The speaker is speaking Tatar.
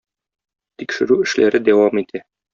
Тикшерү эшләре дәвам итә.